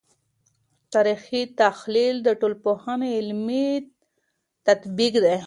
تاریخي تحلیل د ټولنپوهنې علمي تطبیق دی.